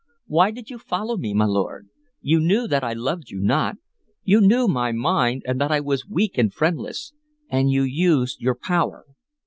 Why did you follow me, my lord? You knew that I loved you not. You knew my mind, and that I was weak and friendless, and you used your power.